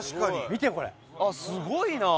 見てよこれ。あっすごいな！